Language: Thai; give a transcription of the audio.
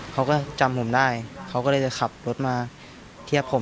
เขาก็จำผมได้เขาก็เลยจะขับรถมาเทียบผม